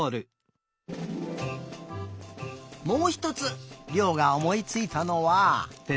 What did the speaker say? もうひとつりょうがおもいついたのは。